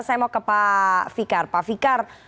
saya mauka pak fikar pak fikar